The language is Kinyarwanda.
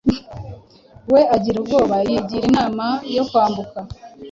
we agira ubwoba; yigira inama yo kwambuka